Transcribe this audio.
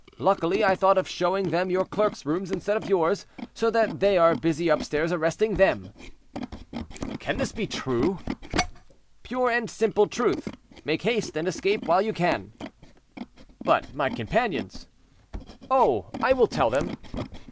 Luckily, I thought of showing them your clerks' room instead of yours, so that they are busy upstairs arresting them." "Can this be true?" "Pure and simple truth. Make haste, and escape while you can." "But my companions?" "Oh! I will tell them."